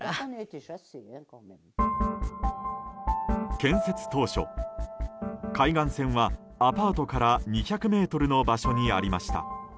建設当時、海岸線はアパートから２００ｍの場所にありました。